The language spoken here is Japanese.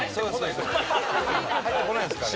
伊達：入ってこないですかね？